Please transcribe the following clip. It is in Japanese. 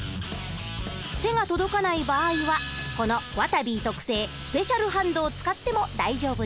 手が届かない場合はこのわたび特製スペシャルハンドを使っても大丈夫です。